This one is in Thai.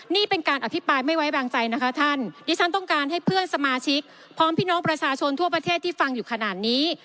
นี่เป็นการอภิปรายไม่ไว้วางใจนะคะท่านดิฉันต้องการให้เพื่อนสมาชิกพร้อมพี่น้องประชาชนทั่วประเทศที่ฟังอยู่ขนาดนี้